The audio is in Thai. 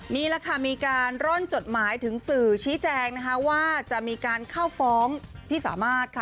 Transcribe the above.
นี่แหละค่ะมีการร่อนจดหมายถึงสื่อชี้แจงนะคะว่าจะมีการเข้าฟ้องพี่สามารถค่ะ